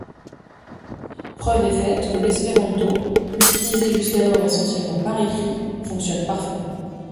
Preuve est faite que l'espéranto, utilisé jusqu'alors essentiellement par écrit, fonctionne parfaitement.